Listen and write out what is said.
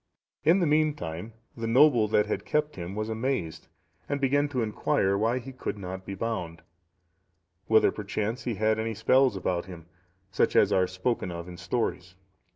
In the meantime, the noble that had kept him was amazed, and began to inquire why he could not be bound; whether perchance he had any spells about him, such as are spoken of in stories.